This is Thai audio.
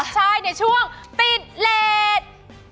ใช่เนี่ยช่วงติดเรท